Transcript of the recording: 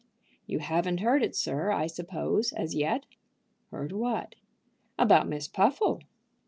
"You haven't heard it, sir, I suppose, as yet?" "Heard what?" "About Miss Puffle."